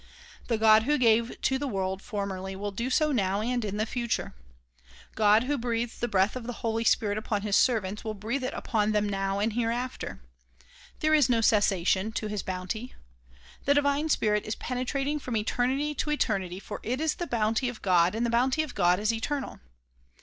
The God who gave to the world formerly will do so now and in the future. God who breathed the breath of the Holy Spirit upon his servants will breathe it upon them now and hereafter. There is no cessation to his bounty. The divine spirit is penetrating from eternity to eternity for it is the bounty of God and the bounty of God is eternal.